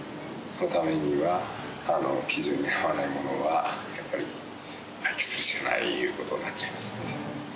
そのためには、基準に合わないものは、やっぱり廃棄するしかないということになっちゃいますね。